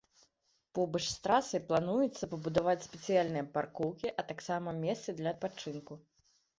Побач з трасай плануецца пабудаваць спецыяльныя паркоўкі, а таксама месцы для адпачынку.